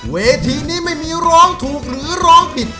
เวทีนี้ไม่มีร้องถูกหรือร้องผิด